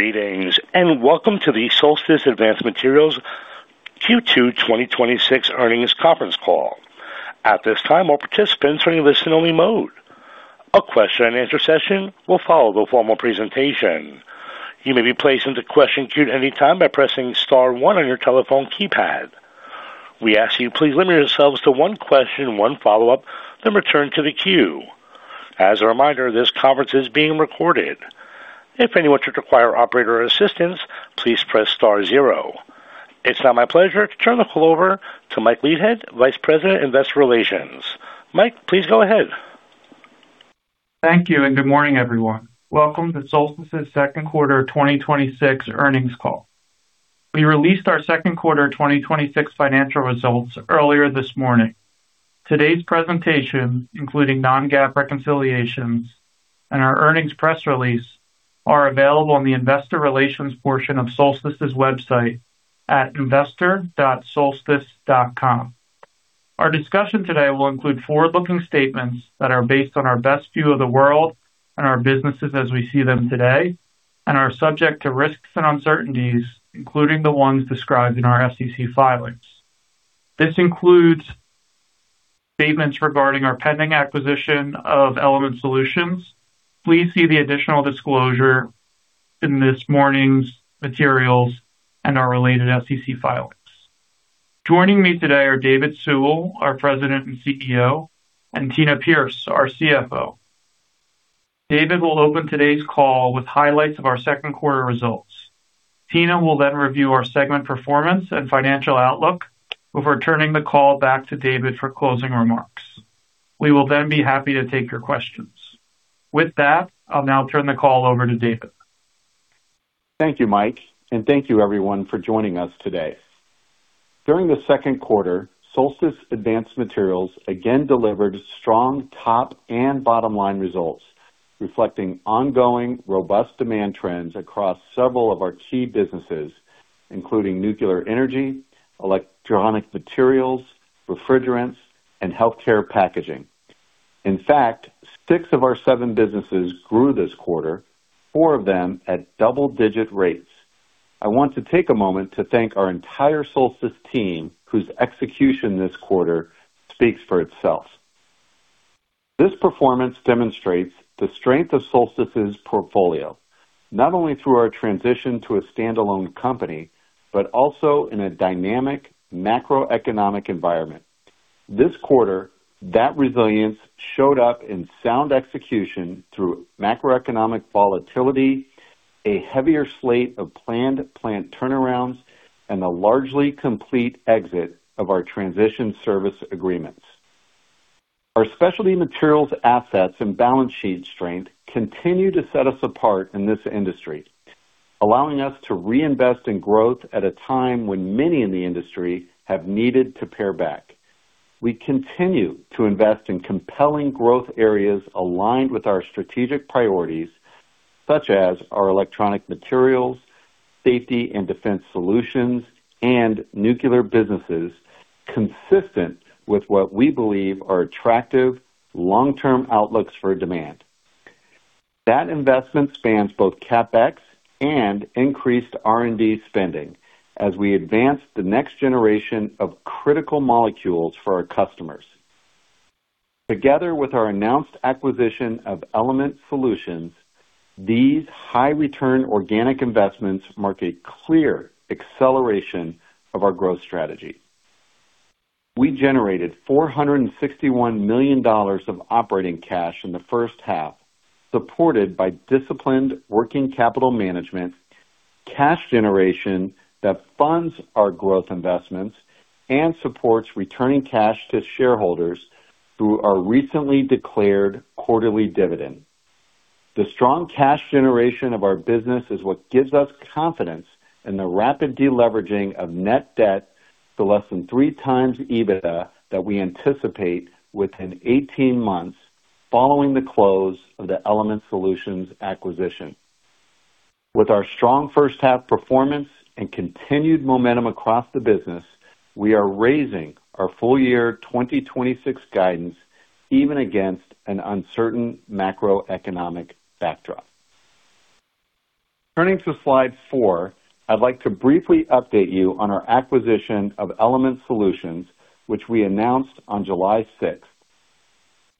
Greetings. Welcome to the Solstice Advanced Materials Q2 2026 earnings conference call. At this time, all participants are in listen-only mode. A question and answer session will follow the formal presentation. You may be placed into question queue at any time by pressing star one on your telephone keypad. We ask you to please limit yourselves to one question, one follow-up, then return to the queue. As a reminder, this conference is being recorded. If anyone should require operator assistance, please press star zero. It's now my pleasure to turn the call over to Michael Leithead, Vice President, Investor Relations. Mike, please go ahead. Thank you. Good morning, everyone. Welcome to Solstice's Q2 2026 earnings call. We released our Q2 2026 financial results earlier this morning. Today's presentation, including non-GAAP reconciliations and our earnings press release, are available on the Investor Relations portion of Solstice's website at investor.solstice.com. Our discussion today will include forward-looking statements that are based on our best view of the world and our businesses as we see them today and are subject to risks and uncertainties, including the ones described in our SEC filings. This includes statements regarding our pending acquisition of Element Solutions. Please see the additional disclosure in this morning's materials and our related SEC filings. Joining me today are David Sewell, our President and CEO, and Tina Pierce, our CFO. David will open today's call with highlights of our Q2 results. Tina will then review our segment performance and financial outlook before turning the call back to David for closing remarks. We will then be happy to take your questions. I'll now turn the call over to David. Thank you, Mike. Thank you everyone for joining us today. During the Q2, Solstice Advanced Materials again delivered strong top and bottom-line results, reflecting ongoing robust demand trends across several of our key businesses, including nuclear energy, electronic materials, refrigerants, and healthcare packaging. In fact, six of our seven businesses grew this quarter, four of them at double-digit rates. I want to take a moment to thank our entire Solstice team, whose execution this quarter speaks for itself. This performance demonstrates the strength of Solstice's portfolio, not only through our transition to a standalone company, but also in a dynamic macroeconomic environment. This quarter, that resilience showed up in sound execution through macroeconomic volatility, a heavier slate of planned plant turnarounds, and a largely complete exit of our transition service agreements. Our specialty materials assets and balance sheet strength continue to set us apart in this industry, allowing us to reinvest in growth at a time when many in the industry have needed to pare back. We continue to invest in compelling growth areas aligned with our strategic priorities, such as our electronic materials, safety and defense solutions, and nuclear businesses, consistent with what we believe are attractive long-term outlooks for demand. That investment spans both CapEx and increased R&D spending as we advance the next generation of critical molecules for our customers. Together with our announced acquisition of Element Solutions, these high-return organic investments mark a clear acceleration of our growth strategy. We generated $461 million of operating cash in the H1, supported by disciplined working capital management, cash generation that funds our growth investments and supports returning cash to shareholders through our recently declared quarterly dividend. The strong cash generation of our business is what gives us confidence in the rapid deleveraging of net debt to less than 3x EBITDA that we anticipate within 18 months following the close of the Element Solutions acquisition. With our strong H1 performance and continued momentum across the business, we are raising our full-year 2026 guidance even against an uncertain macroeconomic backdrop. Turning to slide four, I'd like to briefly update you on our acquisition of Element Solutions, which we announced on July 6th.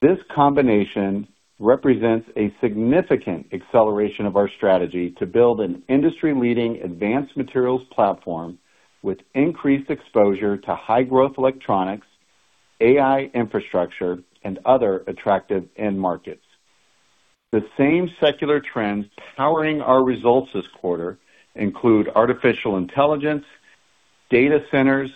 This combination represents a significant acceleration of our strategy to build an industry-leading advanced materials platform with increased exposure to high-growth electronics, AI infrastructure, and other attractive end markets. The same secular trends powering our results this quarter include artificial intelligence, data centers,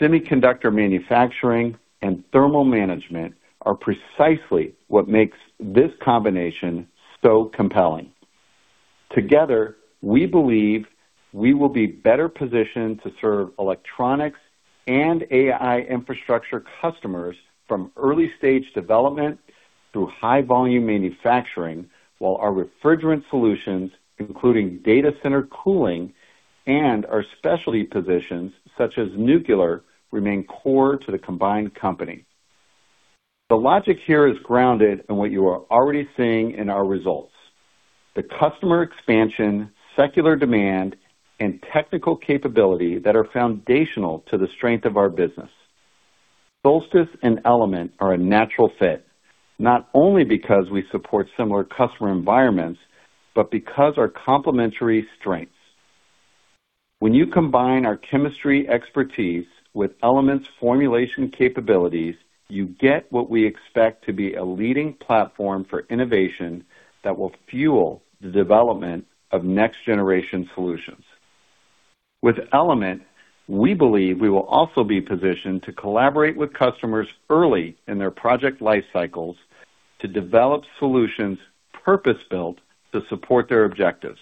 semiconductor manufacturing, and thermal management are precisely what makes this combination so compelling. Together, we believe we will be better positioned to serve electronics and AI infrastructure customers from early-stage development through high-volume manufacturing, while our refrigerant solutions, including data center cooling and our specialty positions such as nuclear, remain core to the combined company. The logic here is grounded in what you are already seeing in our results. The customer expansion, secular demand, and technical capability that are foundational to the strength of our business. Solstice and Element are a natural fit, not only because we support similar customer environments, but because our complementary strengths. When you combine our chemistry expertise with Element's formulation capabilities, you get what we expect to be a leading platform for innovation that will fuel the development of next generation solutions. With Element, we believe we will also be positioned to collaborate with customers early in their project life cycles to develop solutions purpose-built to support their objectives.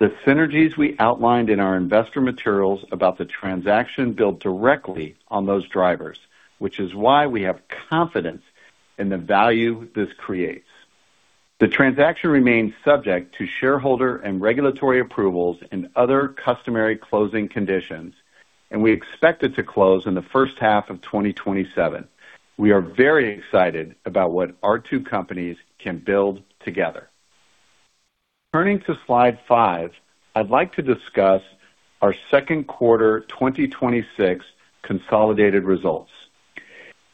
The synergies we outlined in our investor materials about the transaction build directly on those drivers, which is why we have confidence in the value this creates. The transaction remains subject to shareholder and regulatory approvals and other customary closing conditions, and we expect it to close in the H1 of 2027. We are very excited about what our two companies can build together. Turning to slide five, I'd like to discuss our Q2 2026 consolidated results.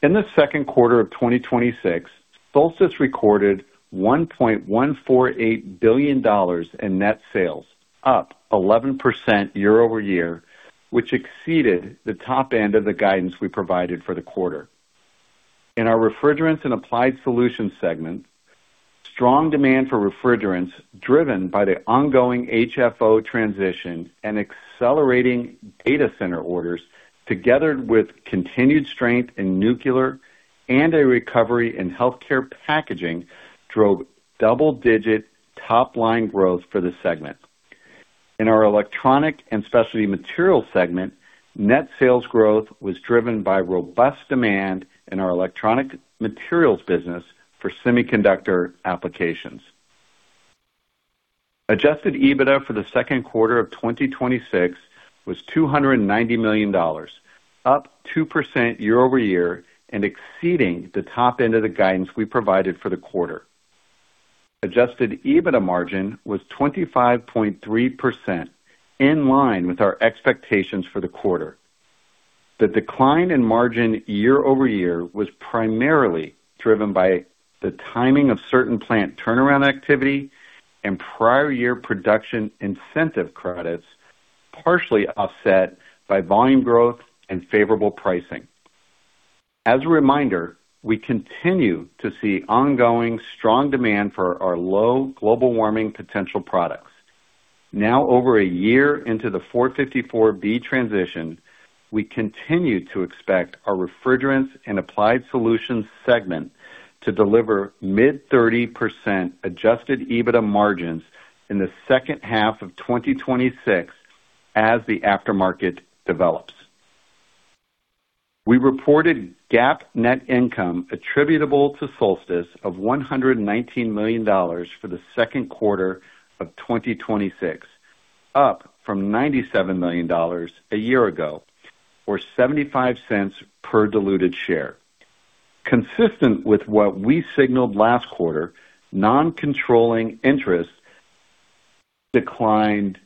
In the Q2 of 2026, Solstice recorded $1.148 billion in net sales, up 11% year-over-year, which exceeded the top end of the guidance we provided for the quarter. In our refrigerants and applied solutions segment, strong demand for refrigerants driven by the ongoing HFO transition and accelerating data center orders, together with continued strength in nuclear and a recovery in healthcare packaging, drove double-digit top-line growth for the segment. In our electronic and specialty materials segment, net sales growth was driven by robust demand in our electronic materials business for semiconductor applications. Adjusted EBITDA for the Q2 of 2026 was $290 million, up 2% year-over-year and exceeding the top end of the guidance we provided for the quarter. Adjusted EBITDA margin was 25.3%, in line with our expectations for the quarter. The decline in margin year-over-year was primarily driven by the timing of certain plant turnaround activity and prior year production incentive credits, partially offset by volume growth and favorable pricing. As a reminder, we continue to see ongoing strong demand for our low global warming potential products. Now over a year into the R-454B transition, we continue to expect our refrigerants and applied solutions segment to deliver mid-30% adjusted EBITDA margins in the H2 of 2026 as the aftermarket develops. We reported GAAP net income attributable to Solstice of $119 million for the Q2 of 2026, up from $97 million a year ago, or $0.75 per diluted share. Consistent with what we signaled last quarter, non-controlling interest declined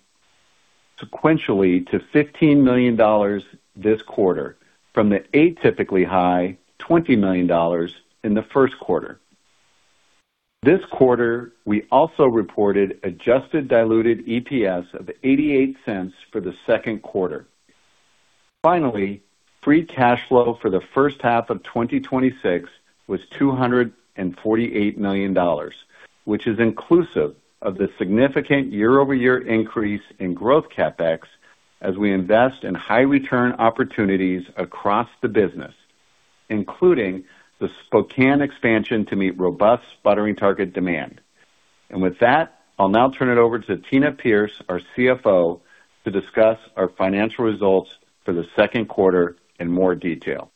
sequentially to $15 million this quarter from the atypically high $20 million in the Q1. This quarter, we also reported adjusted diluted EPS of $0.88 for the Q2. Finally, free cash flow for the H1 of 2026 was $248 million, which is inclusive of the significant year-over-year increase in growth CapEx as we invest in high return opportunities across the business, including the Spokane expansion to meet robust sputtering target demand. With that, I'll now turn it over to Tina Pierce, our CFO, to discuss our financial results for the Q2 in more detail.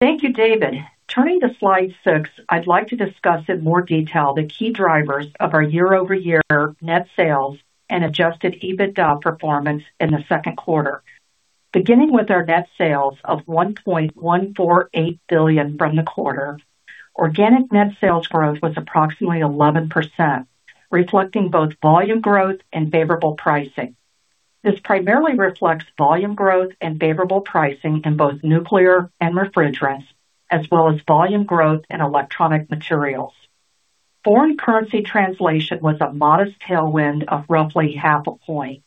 Thank you, David. Turning to slide six, I'd like to discuss in more detail the key drivers of our year-over-year net sales and adjusted EBITDA performance in the Q2. Beginning with our net sales of $1.148 billion from the quarter, organic net sales growth was approximately 11%, reflecting both volume growth and favorable pricing. This primarily reflects volume growth and favorable pricing in both nuclear and refrigerants, as well as volume growth in electronic materials. Foreign currency translation was a modest tailwind of roughly half a point.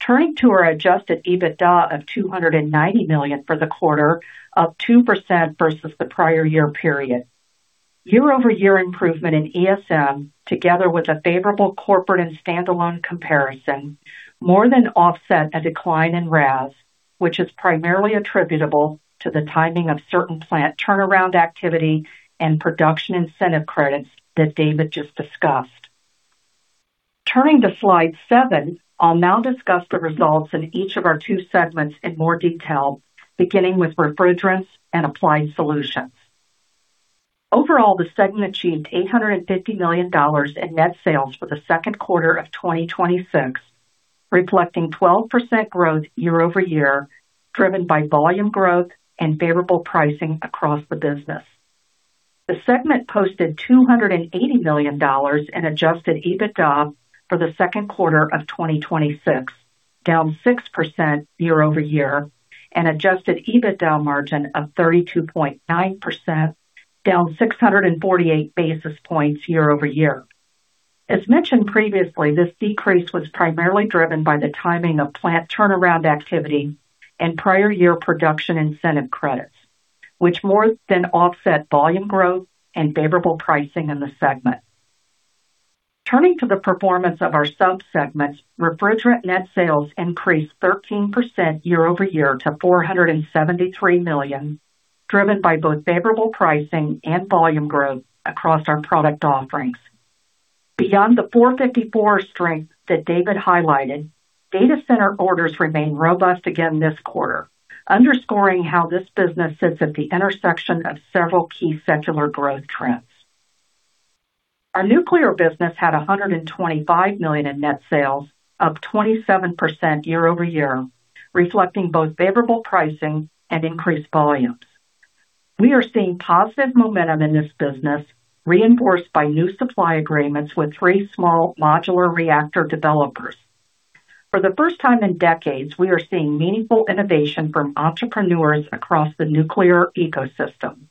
Turning to our adjusted EBITDA of $290 million for the quarter, up 2% versus the prior year period. Year-over-year improvement in ESM, together with a favorable corporate and standalone comparison, more than offset a decline in RAS, which is primarily attributable to the timing of certain plant turnaround activity and production incentive credits that David just discussed. Turning to slide seven, I'll now discuss the results in each of our two segments in more detail, beginning with refrigerants and applied solutions. Overall, the segment achieved $850 million in net sales for the Q2 of 2026, reflecting 12% growth year-over-year, driven by volume growth and favorable pricing across the business. The segment posted $280 million in adjusted EBITDA for the Q2 of 2026, down 6% year-over-year, an adjusted EBITDA margin of 32.9%, down 648 basis points year-over-year. As mentioned previously, this decrease was primarily driven by the timing of plant turnaround activity and prior year production incentive credits, which more than offset volume growth and favorable pricing in the segment. Turning to the performance of our sub-segments, refrigerant net sales increased 13% year-over-year to $473 million, driven by both favorable pricing and volume growth across our product offerings. Beyond the R-454B strength that David highlighted, data center orders remained robust again this quarter, underscoring how this business sits at the intersection of several key secular growth trends. Our nuclear business had $125 million in net sales, up 27% year-over-year, reflecting both favorable pricing and increased volumes. We are seeing positive momentum in this business, reinforced by new supply agreements with three small modular reactor developers. For the first time in decades, we are seeing meaningful innovation from entrepreneurs across the nuclear ecosystem.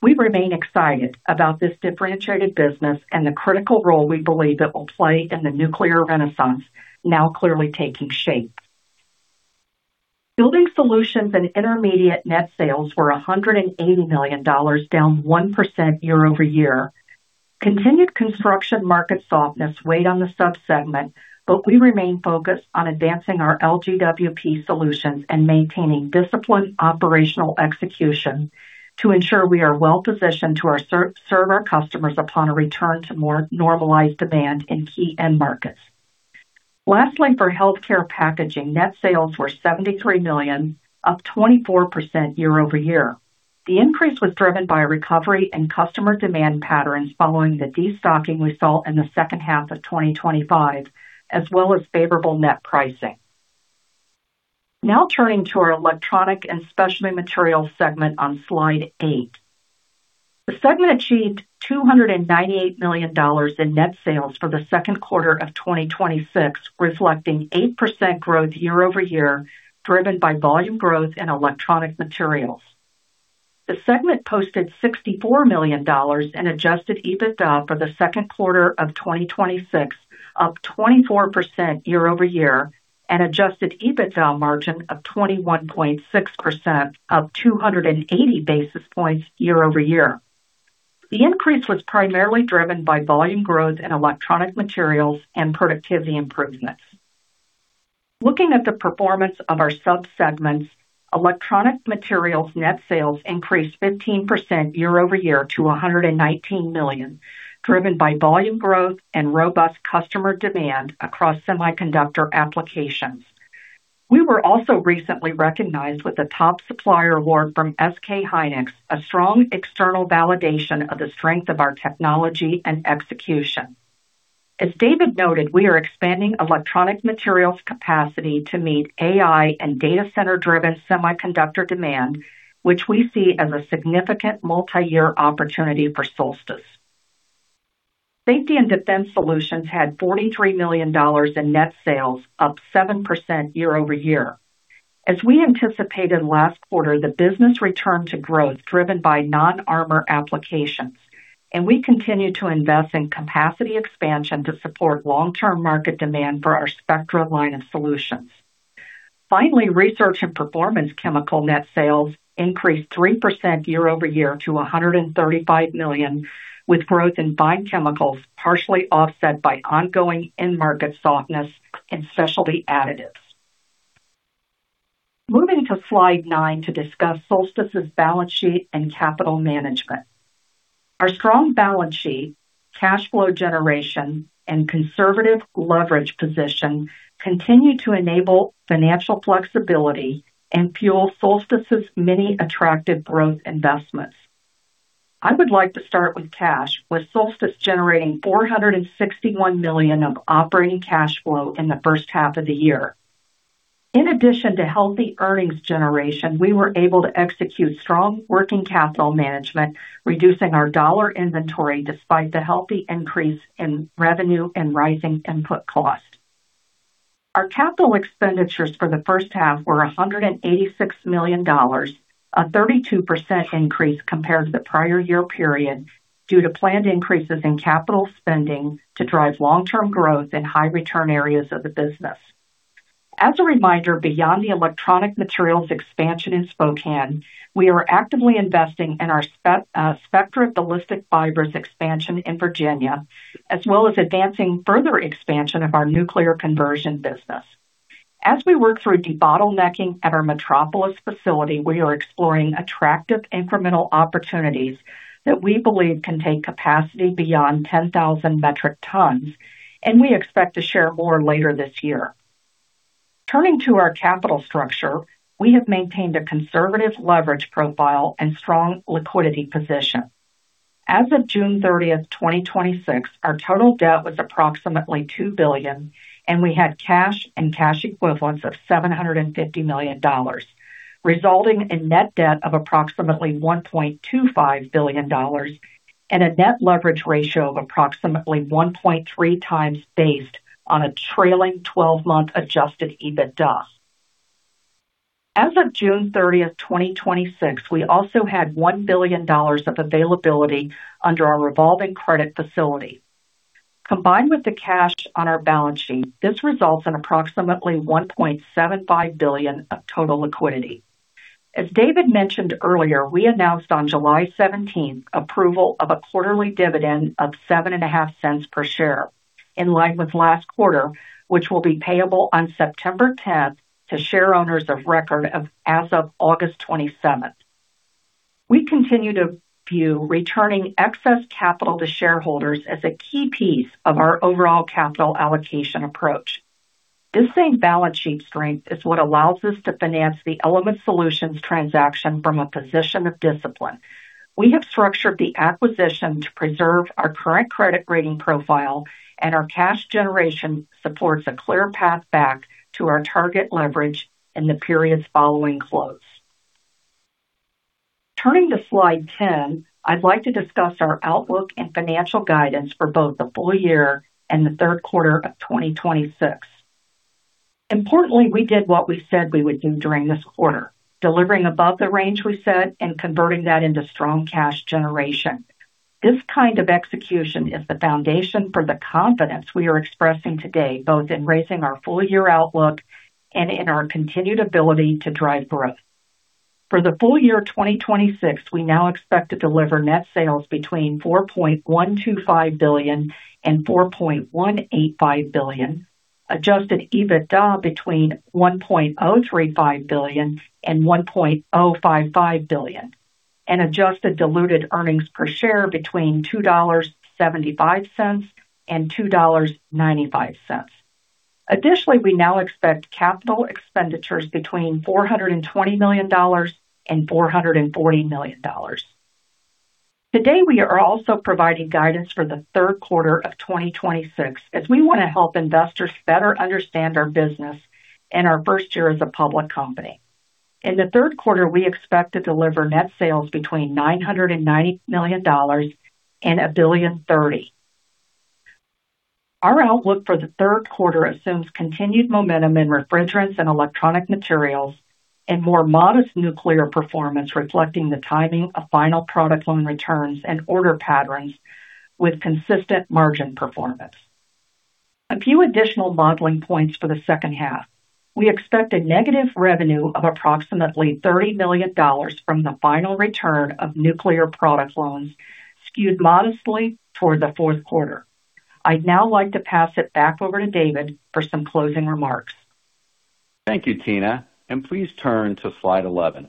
We remain excited about this differentiated business and the critical role we believe it will play in the nuclear renaissance now clearly taking shape. Building solutions and intermediate net sales were $180 million, down 1% year-over-year. Continued construction market softness weighed on the sub-segment, but we remain focused on advancing our LGWP solutions and maintaining disciplined operational execution to ensure we are well-positioned to serve our customers upon a return to more normalized demand in key end markets. Lastly, for healthcare packaging, net sales were $73 million, up 24% year-over-year. The increase was driven by a recovery in customer demand patterns following the de-stocking we saw in the H2 of 2025, as well as favorable net pricing. Now turning to our electronic and specialty materials segment on slide eight. The segment achieved $298 million in net sales for the Q2 of 2026, reflecting 8% growth year-over-year, driven by volume growth in electronic materials. The segment posted $64 million in adjusted EBITDA for the Q2 of 2026, up 24% year-over-year, an adjusted EBITDA margin of 21.6%, up 280 basis points year-over-year. The increase was primarily driven by volume growth in electronic materials and productivity improvements. Looking at the performance of our sub-segments, electronic materials net sales increased 15% year-over-year to $119 million, driven by volume growth and robust customer demand across semiconductor applications. We were also recently recognized with the top supplier award from SK hynix, a strong external validation of the strength of our technology and execution. As David noted, we are expanding electronic materials capacity to meet AI and data center driven semiconductor demand, which we see as a significant multi-year opportunity for Solstice. Safety and defense solutions had $43 million in net sales, up 7% year-over-year. As we anticipated last quarter, the business returned to growth driven by non-armor applications, and we continue to invest in capacity expansion to support long-term market demand for our Spectra line of solutions. Finally, research and performance chemical net sales increased 3% year-over-year to $135 million, with growth in bind chemicals partially offset by ongoing end market softness and specialty additives. Moving to slide nine to discuss Solstice's balance sheet and capital management. Our strong balance sheet, cash flow generation, and conservative leverage position continue to enable financial flexibility and fuel Solstice's many attractive growth investments. I would like to start with cash, with Solstice generating $461 million of operating cash flow in the H1 of the year. In addition to healthy earnings generation, we were able to execute strong working capital management, reducing our dollar inventory despite the healthy increase in revenue and rising input cost. Our capital expenditures for the H1 were $186 million, a 32% increase compared to the prior year period due to planned increases in capital spending to drive long-term growth in high return areas of the business. As a reminder, beyond the electronic materials expansion in Spokane, we are actively investing in our Spectra ballistic fibers expansion in Virginia, as well as advancing further expansion of our nuclear conversion business. As we work through de-bottlenecking at our Metropolis facility, we are exploring attractive incremental opportunities that we believe can take capacity beyond 10,000 metric tons, and we expect to share more later this year. Turning to our capital structure, we have maintained a conservative leverage profile and strong liquidity position. As of June 30th, 2026, our total debt was approximately $2 billion, and we had cash and cash equivalents of $750 million, resulting in net debt of approximately $1.25 billion and a net leverage ratio of approximately 1.3x based on a trailing 12-month adjusted EBITDA. As of June 30th, 2026, we also had $1 billion of availability under our revolving credit facility. Combined with the cash on our balance sheet, this results in approximately $1.75 billion of total liquidity. As David mentioned earlier, we announced on July 17th approval of a quarterly dividend of $0.075 per share, in line with last quarter, which will be payable on September 10th to share owners of record as of August 27th. We continue to view returning excess capital to shareholders as a key piece of our overall capital allocation approach. This same balance sheet strength is what allows us to finance the Element Solutions transaction from a position of discipline. We have structured the acquisition to preserve our current credit rating profile, and our cash generation supports a clear path back to our target leverage in the periods following close. Turning to Slide 10, I'd like to discuss our outlook and financial guidance for both the full-year and the Q3 of 2026. Importantly, we did what we said we would do during this quarter, delivering above the range we set and converting that into strong cash generation. This kind of execution is the foundation for the confidence we are expressing today, both in raising our full-year outlook and in our continued ability to drive growth. For the full-year 2026, we now expect to deliver net sales between $4.125 billion-$4.185 billion, adjusted EBITDA between $1.035 billion-$1.055 billion, and adjusted diluted earnings per share between $2.75 and $2.95. Additionally, we now expect capital expenditures between $420 million-$440 million. Today, we are also providing guidance for the Q3 of 2026 as we want to help investors better understand our business in our first year as a public company. In the Q3, we expect to deliver net sales between $990 million and $1.03 billion. Our outlook for the Q3 assumes continued momentum in refrigerants and electronic materials and more modest nuclear performance, reflecting the timing of final product loan returns and order patterns with consistent margin performance. A few additional modeling points for the H2. We expect a negative revenue of approximately $30 million from the final return of nuclear product loans skewed modestly toward the Q4. I'd now like to pass it back over to David for some closing remarks. Thank you, Tina, and please turn to slide 11.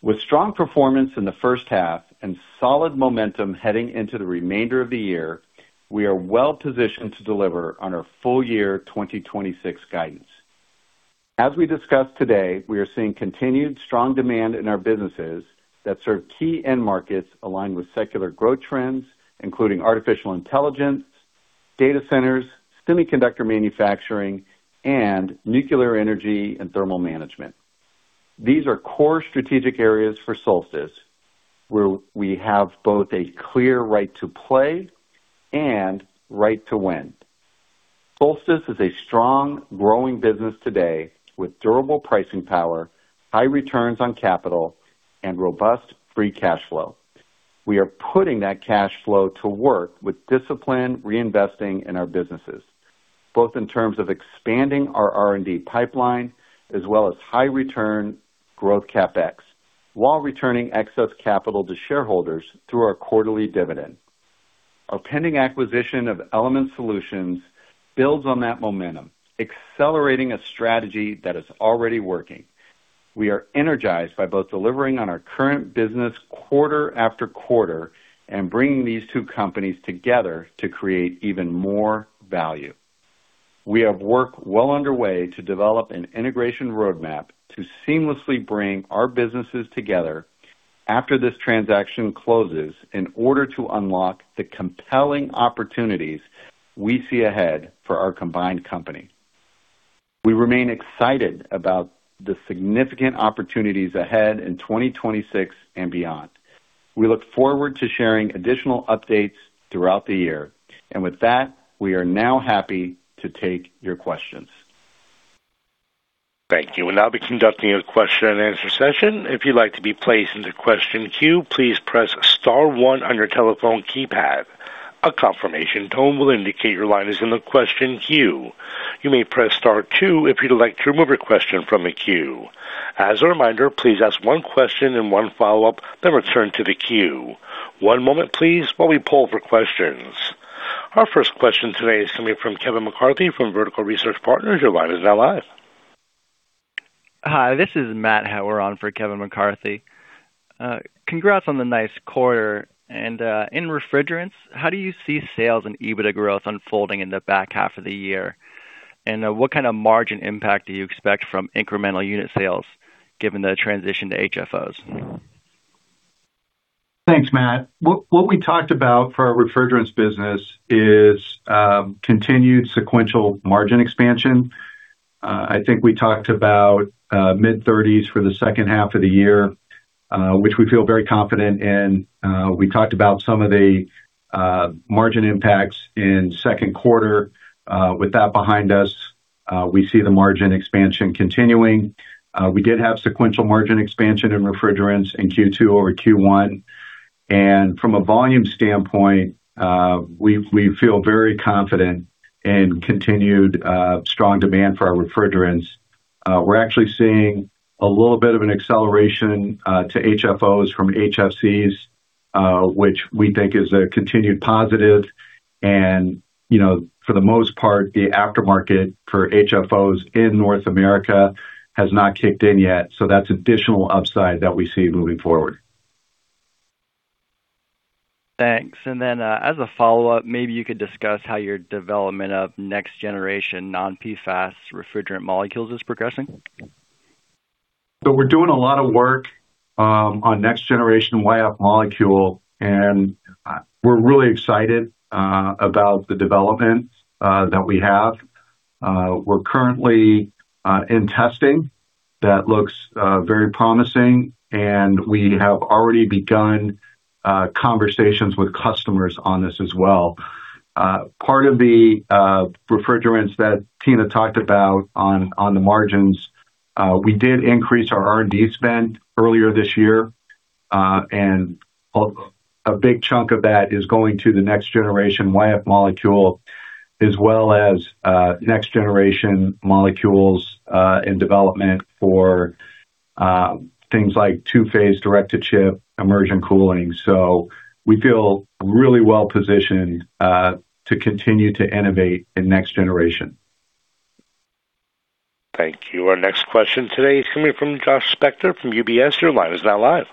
With strong performance in the H1 and solid momentum heading into the remainder of the year, we are well positioned to deliver on our full-year 2026 guidance. As we discussed today, we are seeing continued strong demand in our businesses that serve key end markets aligned with secular growth trends, including artificial intelligence, data centers, semiconductor manufacturing, and nuclear energy and thermal management. These are core strategic areas for Solstice, where we have both a clear right to play and right to win. Solstice is a strong growing business today with durable pricing power, high returns on capital, and robust free cash flow. We are putting that cash flow to work with discipline, reinvesting in our businesses, both in terms of expanding our R&D pipeline as well as high return growth CapEx while returning excess capital to shareholders through our quarterly dividend. Our pending acquisition of Element Solutions builds on that momentum, accelerating a strategy that is already working. We are energized by both delivering on our current business quarter-after-quarter and bringing these two companies together to create even more value. We have work well underway to develop an integration roadmap to seamlessly bring our businesses together after this transaction closes in order to unlock the compelling opportunities we see ahead for our combined company. We remain excited about the significant opportunities ahead in 2026 and beyond. We look forward to sharing additional updates throughout the year. With that, we are now happy to take your questions. Thank you. We'll now be conducting a question-and-answer session. If you'd like to be placed into question queue, please press star one on your telephone keypad. A confirmation tone will indicate your line is in the question queue. You may press star two if you'd like to remove your question from the queue. As a reminder, please ask one question and one follow-up, then return to the queue. One moment, please, while we poll for questions. Our first question today is coming from Kevin McCarthy from Vertical Research Partners. Your line is now live. Hi, this is Matt Hauer on for Kevin McCarthy. Congrats on the nice quarter. In refrigerants, how do you see sales and EBITDA growth unfolding in the back half of the year? What kind of margin impact do you expect from incremental unit sales given the transition to HFOs? Thanks, Matt. What we talked about for our refrigerants business is continued sequential margin expansion. I think we talked about mid-30s for the H2 of the year, which we feel very confident in. We talked about some of the margin impacts in Q2. With that behind us, we see the margin expansion continuing. We did have sequential margin expansion in refrigerants in Q2 over Q1. From a volume standpoint, we feel very confident in continued strong demand for our refrigerants. We're actually seeing a little bit of an acceleration to HFOs from HFCs, which we think is a continued positive. For the most part, the aftermarket for HFOs in North America has not kicked in yet. That's additional upside that we see moving forward. Thanks. As a follow-up, maybe you could discuss how your development of next generation non-PFAS refrigerant molecules is progressing. We're doing a lot of work on next generation YF molecule, we're really excited about the development that we have. We're currently in testing that looks very promising, we have already begun conversations with customers on this as well. Part of the refrigerants that Tina talked about on the margins, we did increase our R&D spend earlier this year. A big chunk of that is going to the next generation YF molecule as well as next generation molecules in development for things like two-phase direct to chip immersion cooling. We feel really well positioned to continue to innovate in next generation. Thank you. Our next question today is coming from Josh Spector from UBS. Your line is now live.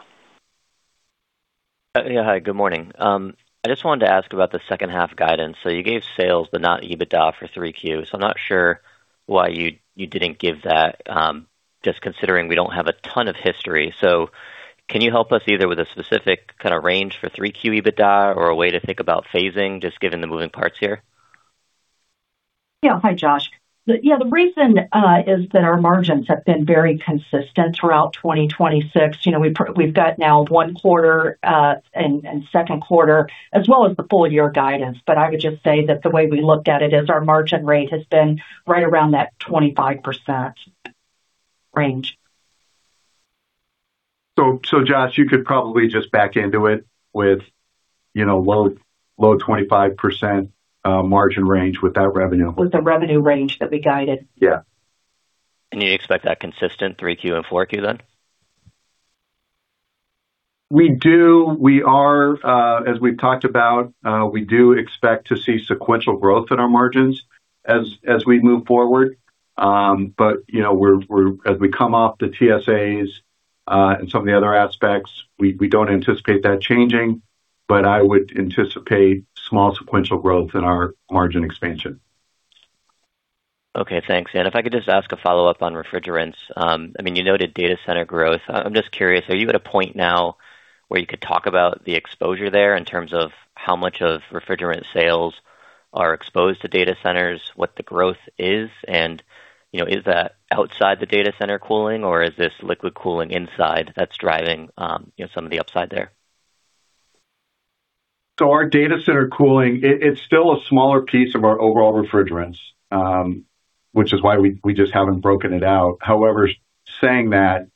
Yeah. Hi, good morning. I just wanted to ask about the H2 guidance. You gave sales, but not EBITDA for Q3. I'm not sure why you didn't give that, just considering we don't have a ton of history. Can you help us either with a specific kind of range for Q3 EBITDA or a way to think about phasing, just given the moving parts here? Yeah. Hi, Josh. The reason is that our margins have been very consistent throughout 2026. We've got now one quarter, Q2 as well as the full-year guidance. I would just say that the way we looked at it is our margin rate has been right around that 25% range. Josh, you could probably just back into it with low 25% margin range with that revenue. With the revenue range that we guided. Yeah. You expect that consistent Q3 and Q4 then? We do. As we've talked about, we do expect to see sequential growth in our margins as we move forward. As we come off the TSAs, and some of the other aspects, we don't anticipate that changing, but I would anticipate small sequential growth in our margin expansion. Okay, thanks. If I could just ask a follow-up on refrigerants. You noted data center growth. I am just curious, are you at a point now where you could talk about the exposure there in terms of how much of refrigerant sales are exposed to data centers, what the growth is, and is that outside the data center cooling or is this liquid cooling inside that's driving some of the upside there? Our data center cooling, it's still a smaller piece of our overall refrigerants, which is why we just haven't broken it out. However, saying that,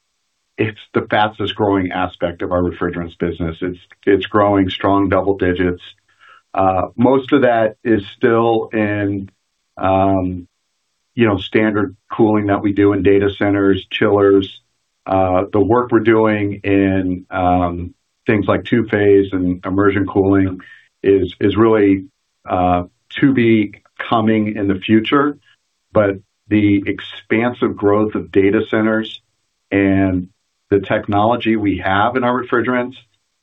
it's the fastest growing aspect of our refrigerants business. It's growing strong double digits. Most of that is still in standard cooling that we do in data centers, chillers. The work we're doing in things like two-phase and immersion cooling is really to be coming in the future. The expansive growth of data centers and the technology we have in our refrigerants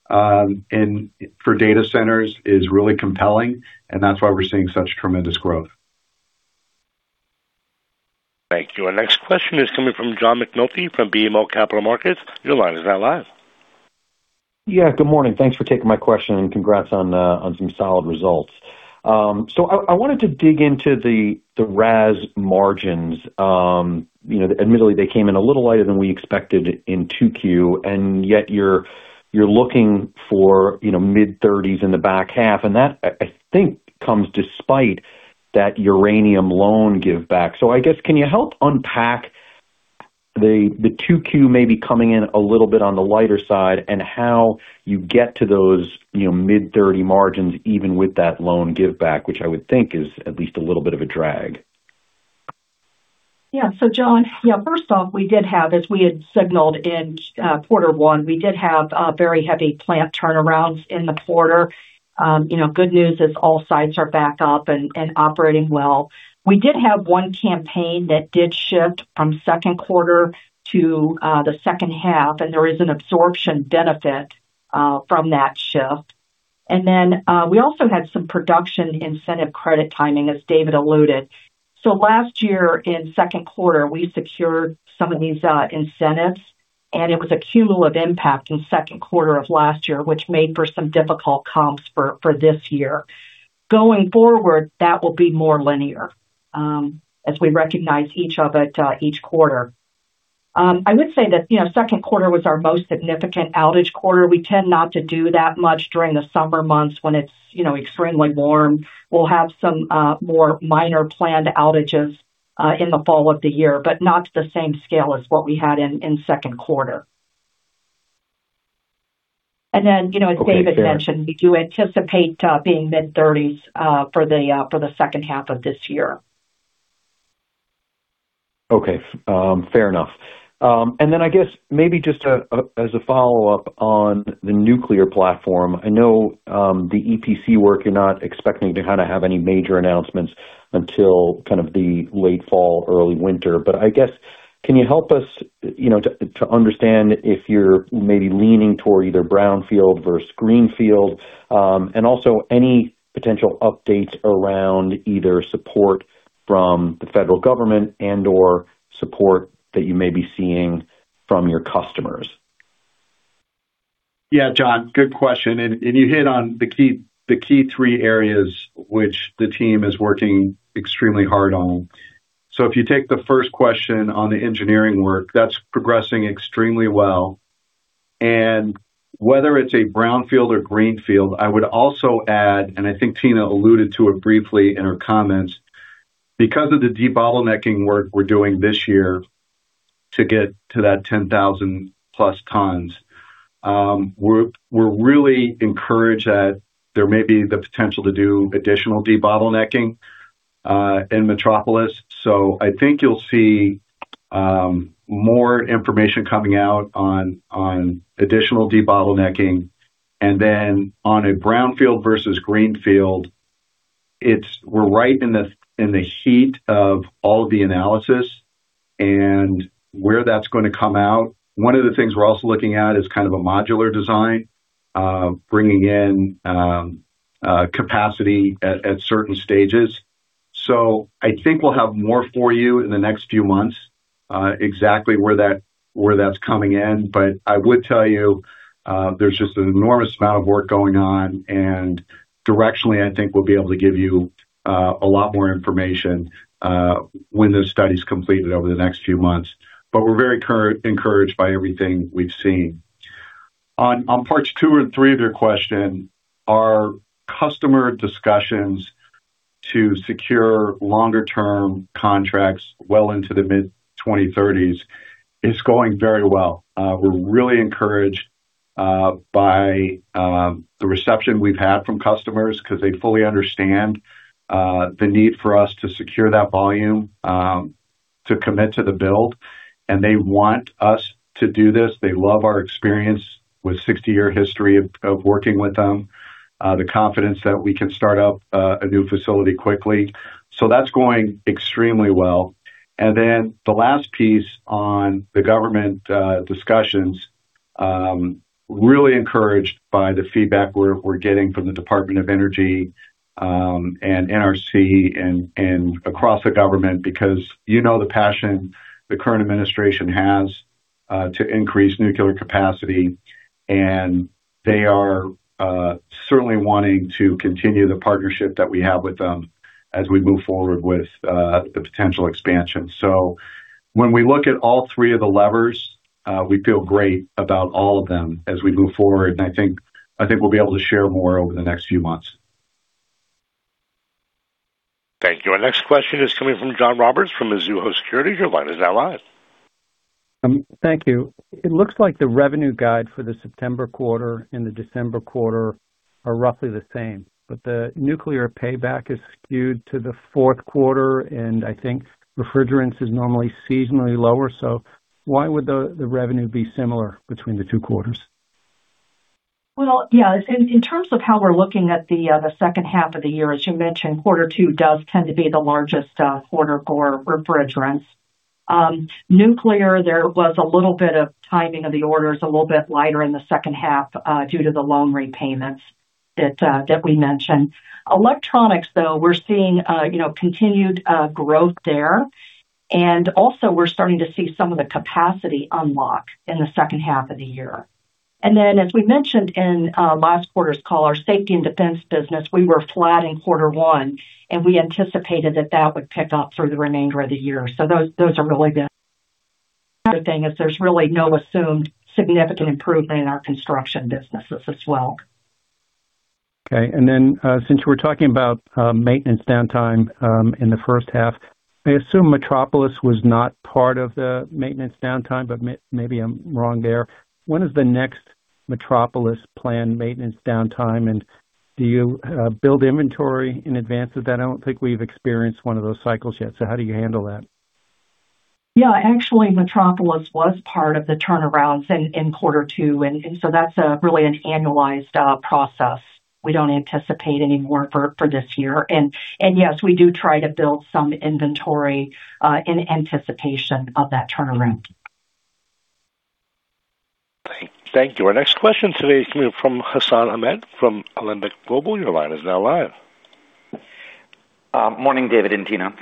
for data centers is really compelling, and that's why we're seeing such tremendous growth. Thank you. Our next question is coming from John McNulty from BMO Capital Markets. Your line is now live. Yeah, good morning. Thanks for taking my question, and congrats on some solid results. I wanted to dig into the RAS margins. Admittedly, they came in a little lighter than we expected in Q2, and yet you're looking for mid-30s in the back half, and that I think comes despite that uranium loan giveback. I guess can you help unpack the Q2 maybe coming in a little bit on the lighter side and how you get to those mid-30 margins even with that loan giveback, which I would think is at least a little bit of a drag. Yeah, John, first off, as we had signaled in Q1, we did have very heavy plant turnarounds in the quarter. Good news is all sites are back up and operating well. We did have one campaign that did shift from Q2 to the H2, and there is an absorption benefit from that shift. Then we also had some production incentive credit timing, as David alluded. Last year in Q2, we secured some of these incentives, and it was a cumulative impact in Q2 of last year, which made for some difficult comps for this year. Going forward, that will be more linear as we recognize each of it each quarter. I would say that Q2 was our most significant outage quarter. We tend not to do that much during the summer months when it is extremely warm. We will have some more minor planned outages in the fall of the year, but not to the same scale as what we had in Q2. Then, as David mentioned, we do anticipate being mid-30s for the H2 of this year. Okay. Fair enough. I guess maybe just as a follow-up on the nuclear platform, I know the EPC work, you are not expecting to have any major announcements until the late fall, early winter. But I guess, can you help us to understand if you are maybe leaning toward either brownfield versus greenfield? Also any potential updates around either support from the federal government and/or support that you may be seeing from your customers? Yeah, John, good question. You hit on the key three areas which the team is working extremely hard on. If you take the first question on the engineering work, that is progressing extremely well. Whether it is a brownfield or greenfield, I would also add, and I think Tina alluded to it briefly in her comments, because of the debottlenecking work we are doing this year to get to that 10,000+ tons, we are really encouraged that there may be the potential to do additional debottlenecking in Metropolis. I think you will see more information coming out on additional debottlenecking. Then on a brownfield versus greenfield, we are right in the heat of all the analysis and where that is going to come out. One of the things we are also looking at is kind of a modular design, bringing in capacity at certain stages. I think we'll have more for you in the next few months, exactly where that's coming in. I would tell you, there's just an enormous amount of work going on, and directionally, I think we'll be able to give you a lot more information when the study's completed over the next few months. We're very encouraged by everything we've seen. On parts two and three of your question, our customer discussions to secure longer term contracts well into the mid 2030s is going very well. We're really encouraged by the reception we've had from customers because they fully understand the need for us to secure that volume to commit to the build. They want us to do this. They love our experience with 60-year history of working with them, the confidence that we can start up a new facility quickly. That's going extremely well. The last piece on the government discussions, really encouraged by the feedback we're getting from the Department of Energy and NRC and across the government, because you know the passion the current administration has to increase nuclear capacity, and they are certainly wanting to continue the partnership that we have with them as we move forward with the potential expansion. When we look at all three of the levers, we feel great about all of them as we move forward, and I think we'll be able to share more over the next few months. Thank you. Our next question is coming from John Roberts from Mizuho Securities. Your line is now live. Thank you. It looks like the revenue guide for the September quarter and the December quarter are roughly the same, but the nuclear payback is skewed to the Q4 and I think the refrigerant is normally seasonally lower. Why would the revenue be similar between the two quarters? Yeah. In terms of how we're looking at the H2 of the year, as you mentioned, Q2 does tend to be the largest quarter for refrigerants. Nuclear, there was a little bit of timing of the orders, a little bit lighter in the H2 due to the loan repayments that we mentioned. Electronics, though, we're seeing continued growth there. We're starting to see some of the capacity unlock in the H2 of the year. As we mentioned in last quarter's call, our safety and defense business, we were flat in quarter one, and we anticipated that that would pick up through the remainder of the year. Those are really good. Other thing is there's really no assumed significant improvement in our construction businesses as well. And then, since we're talking about maintenance downtime in the H1, I assume Metropolis was not part of the maintenance downtime, but maybe I'm wrong there. When is the next Metropolis plan maintenance downtime, and do you build inventory in advance of that? I don't think we've experienced one of those cycles yet. How do you handle that? Yeah. Actually, Metropolis was part of the turnarounds in Q2, that's really an annualized process. We don't anticipate any more for this year. Yes, we do try to build some inventory in anticipation of that turnaround. Thank you. Our next question today is coming from Hassan Ahmed from Alembic Global. Your line is now live. Morning, David and Tina.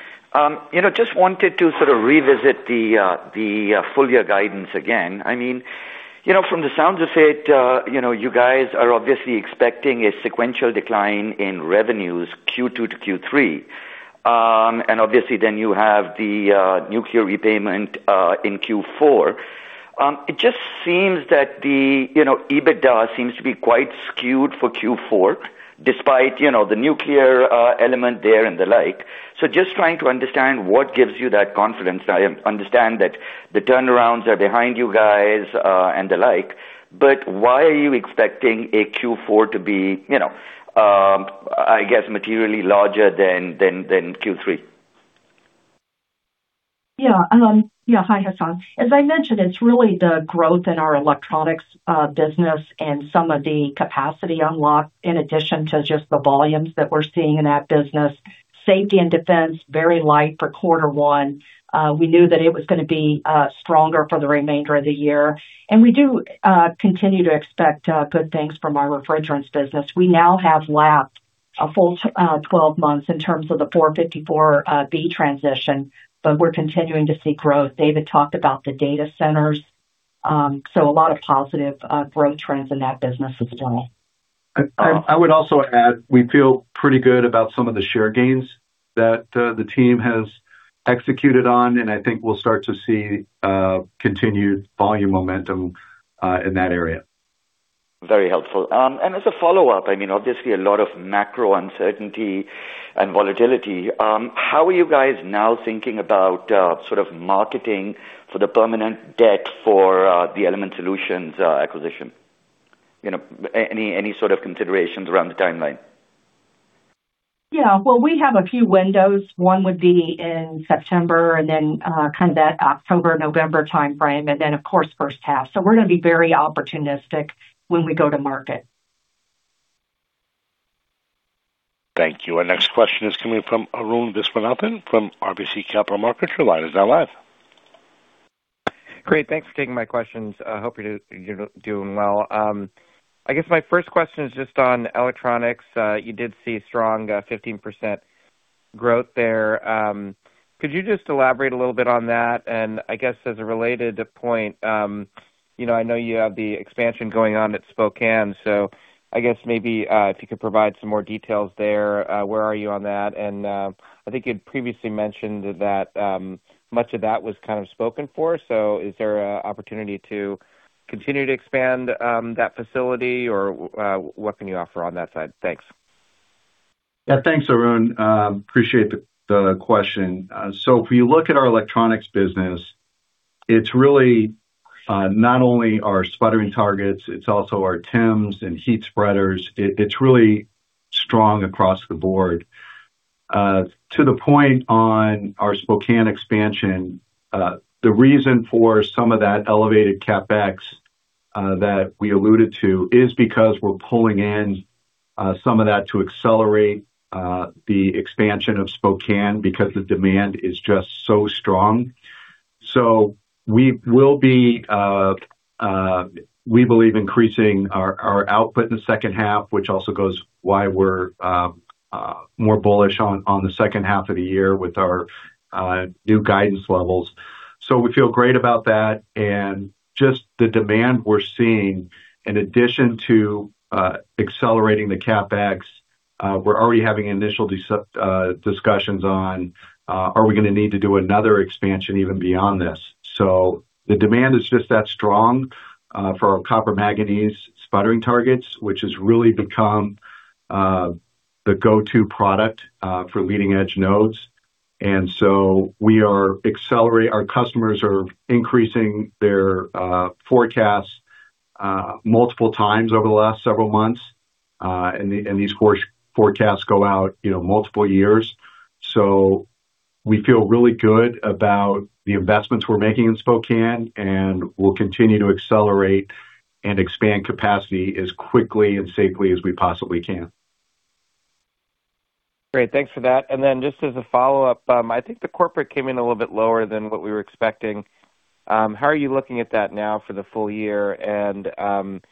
Just wanted to sort of revisit the full-year guidance again. I mean, from the sounds of it, you guys are obviously expecting a sequential decline in revenues Q2 to Q3. Obviously then you have the nuclear repayment in Q4. It just seems that the EBITDA seems to be quite skewed for Q4 despite the nuclear element there and the like. Just trying to understand what gives you that confidence. I understand that the turnarounds are behind you guys and the like, why are you expecting a Q4 to be, I guess, materially larger than Q3? Hi, Hassan. As I mentioned, it's really the growth in our electronics business and some of the capacity unlocked in addition to just the volumes that we're seeing in that business. Safety and defense, very light for Q1. We knew that it was going to be stronger for the remainder of the year. We do continue to expect good things from our refrigerants business. We now have lapped a full 12 months in terms of the R-454B transition, but we're continuing to see growth. David talked about the data centers. A lot of positive growth trends in that business as well. I would also add, we feel pretty good about some of the share gains that the team has executed on, and I think we'll start to see continued volume momentum in that area. Very helpful. As a follow-up, obviously a lot of macro uncertainty and volatility. How are you guys now thinking about sort of marketing for the permanent debt for the Element Solutions acquisition? Any sort of considerations around the timeline? Well, we have a few windows. One would be in September then kind of that October, November timeframe, then of course, H1. We're going to be very opportunistic when we go to market. Thank you. Our next question is coming from Arun Viswanathan from RBC Capital Markets. Your line is now live. Great. Thanks for taking my questions. I hope you're doing well. I guess my first question is just on electronics. You did see strong 15% growth there. Could you just elaborate a little bit on that? I guess as a related point, I know you have the expansion going on at Spokane, I guess maybe if you could provide some more details there, where are you on that? I think you'd previously mentioned that much of that was kind of spoken for. Is there an opportunity to continue to expand that facility, or what can you offer on that side? Thanks. Yeah. Thanks, Arun. Appreciate the question. If you look at our electronics business, it's really not only our sputtering targets, it's also our TEMs and heat spreaders. It's really strong across the board. To the point on our Spokane expansion, the reason for some of that elevated CapEx that we alluded to is because we're pulling in some of that to accelerate the expansion of Spokane because the demand is just so strong. We will be, we believe, increasing our output in the H2, which also goes why we're more bullish on the H2 of the year with our new guidance levels. We feel great about that and just the demand we're seeing in addition to accelerating the CapEx. We're already having initial discussions on are we going to need to do another expansion even beyond this. The demand is just that strong for our copper manganese sputtering targets, which has really become the go-to product for leading edge nodes. Our customers are increasing their forecasts multiple times over the last several months. These forecasts go out multiple years. We feel really good about the investments we're making in Spokane, and we'll continue to accelerate and expand capacity as quickly and safely as we possibly can. Great, thanks for that. Just as a follow-up, I think the corporate came in a little bit lower than what we were expecting. How are you looking at that now for the full-year? Is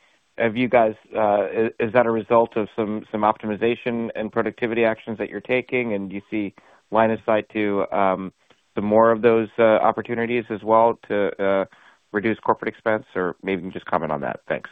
that a result of some optimization and productivity actions that you're taking, and do you see line of sight to some more of those opportunities as well to reduce corporate expense? Maybe just comment on that. Thanks.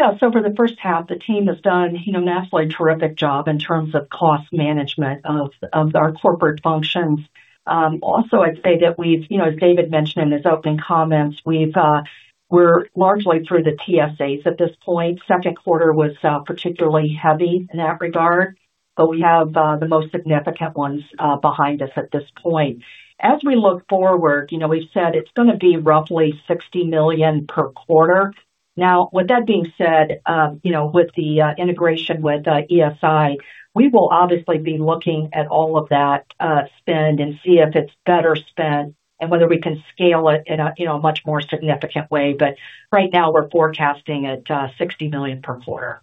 Yeah. For the H1, the team has done an absolutely terrific job in terms of cost management of our corporate functions. Also, I'd say that we've, as David mentioned in his opening comments, we're largely through the TSAs at this point. Q2 was particularly heavy in that regard, but we have the most significant ones behind us at this point. As we look forward, we've said it's going to be roughly $60 million per quarter. Now, with that being said, with the integration with ESI, we will obviously be looking at all of that spend and see if it's better spent and whether we can scale it in a much more significant way. Right now, we're forecasting at $60 million per quarter.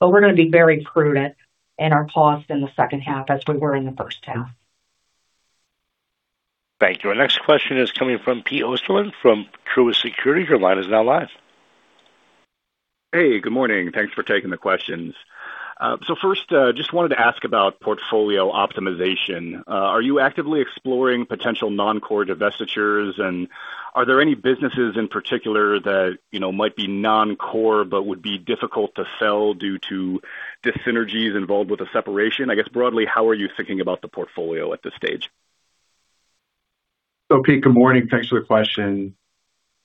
We're going to be very prudent in our cost in the H2 as we were in the H1. Thank you. Our next question is coming from Peter Osterland from Truist Securities. Your line is now live. Hey, good morning. Thanks for taking the questions. First, just wanted to ask about portfolio optimization. Are you actively exploring potential non-core divestitures? Are there any businesses in particular that might be non-core but would be difficult to sell due to dyssynergies involved with the separation? I guess, broadly, how are you thinking about the portfolio at this stage? Pete, good morning. Thanks for the question.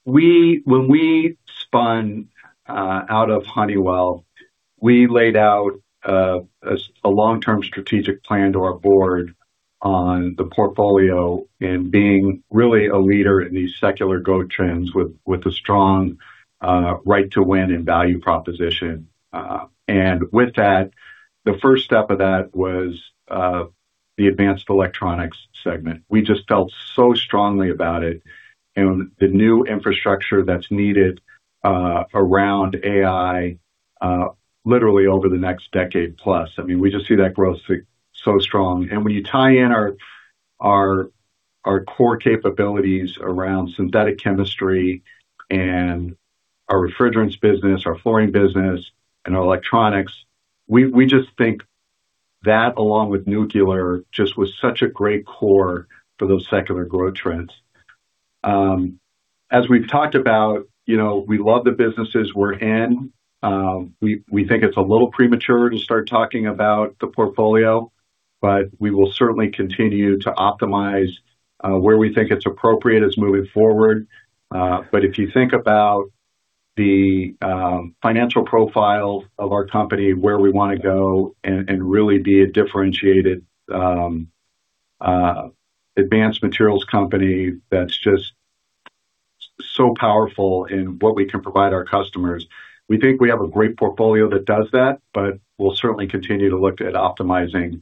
When we spun out of Honeywell, we laid out a long-term strategic plan to our board on the portfolio and being really a leader in these secular growth trends with a strong right to win and value proposition. With that, the first step of that was the advanced electronics segment. We just felt so strongly about it and the new infrastructure that's needed around AI literally over the next decade plus. We just see that growth so strong. When you tie in our core capabilities around synthetic chemistry and our refrigerants business, our flooring business, and our electronics, we just think that, along with nuclear, just was such a great core for those secular growth trends. As we've talked about, we love the businesses we're in. We think it's a little premature to start talking about the portfolio, we will certainly continue to optimize where we think it's appropriate as moving forward. If you think about the financial profile of our company, where we want to go and really be a differentiated advanced materials company that's just so powerful in what we can provide our customers. We think we have a great portfolio that does that, we'll certainly continue to look at optimizing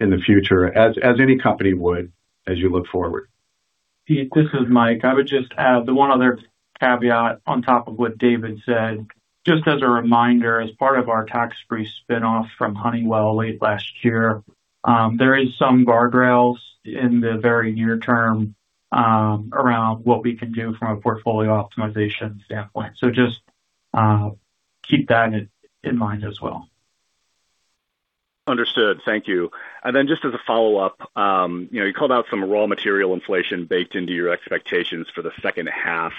in the future, as any company would as you look forward. Pete, this is Mike. I would just add the one other caveat on top of what David said. Just as a reminder, as part of our tax-free spin-off from Honeywell late last year, there is some guardrails in the very near term around what we can do from a portfolio optimization standpoint. Just keep that in mind as well. Understood. Thank you. Just as a follow-up, you called out some raw material inflation baked into your expectations for the H2.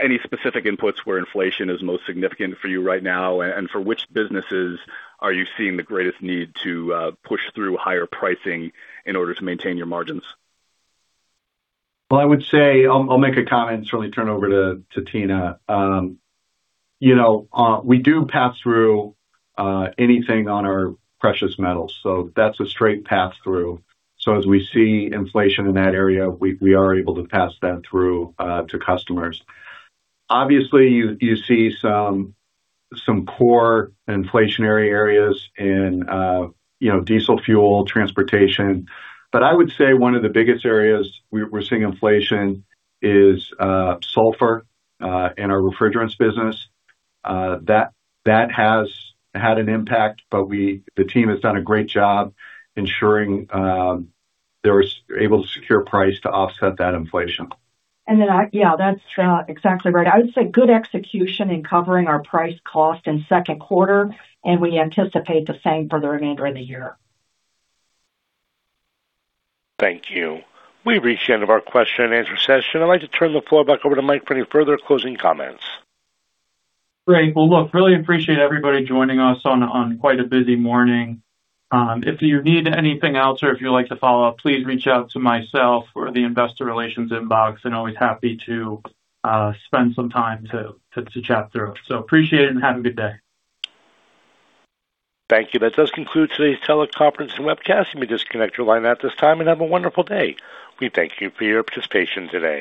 Any specific inputs where inflation is most significant for you right now? For which businesses are you seeing the greatest need to push through higher pricing in order to maintain your margins? I would say, I'll make a comment and certainly turn over to Tina. We do pass through anything on our precious metals, so that's a straight pass-through. As we see inflation in that area, we are able to pass that through to customers. Obviously, you see some poor inflationary areas in diesel fuel, transportation. I would say one of the biggest areas we're seeing inflation is sulfur in our refrigerants business. That has had an impact, but the team has done a great job ensuring they were able to secure price to offset that inflation. Yeah, that's exactly right. I would say good execution in covering our price cost in Q2, and we anticipate the same for the remainder of the year. Thank you. We've reached the end of our question-and-answer session. I'd like to turn the floor back over to Mike for any further closing comments. Great. Look, really appreciate everybody joining us on quite a busy morning. If you need anything else or if you'd like to follow up, please reach out to myself or the investor relations inbox, and always happy to spend some time to chat through. Appreciate it, and have a good day. Thank you. That does conclude today's teleconference and webcast. You may disconnect your line at this time, and have a wonderful day. We thank you for your participation today.